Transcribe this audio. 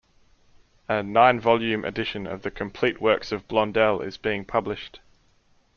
A nine-volume edition of the complete works of Blondel is being published.